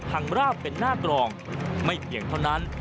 ราบเป็นหน้ากรองไม่เพียงเท่านั้น